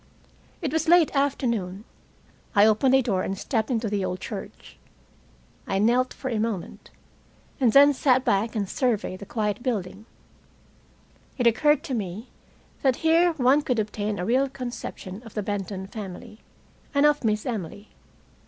It was late afternoon. I opened a door and stepped into the old church. I knelt for a moment, and then sat back and surveyed the quiet building. It occurred to me that here one could obtain a real conception of the Benton family, and of Miss Emily.